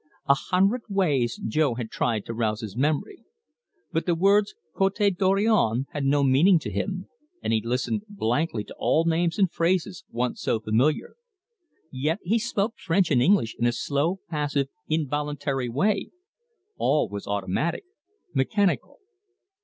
A hundred ways Jo had tried to rouse his memory. But the words Cote Dorion had no meaning to him, and he listened blankly to all names and phrases once so familiar. Yet he spoke French and English in a slow, passive, involuntary way. All was automatic, mechanical.